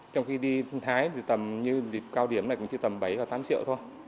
trong khi đi thái thì tầm như dịch cao điểm này cũng chỉ tầm bảy và tám triệu